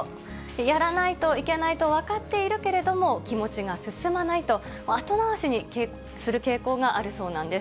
やらないといけないと分かっているけれども、気持ちが進まないと、後回しにする傾向があるそうなんです。